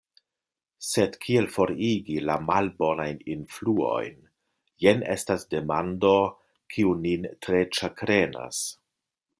Sed kiel forigi la malbonajn influojn, jen estas demando, kiu nin tre ĉagrenas